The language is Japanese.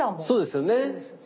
そうですよね。